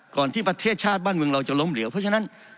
ที่ประเทศชาติบ้านเมืองเราจะล้มเหลวเพราะฉะนั้น